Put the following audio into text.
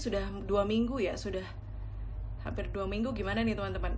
sudah dua minggu ya sudah hampir dua minggu gimana nih teman teman